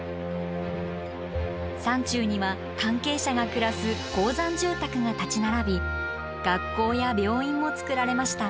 山中には関係者が暮らす鉱山住宅が立ち並び学校や病院も造られました。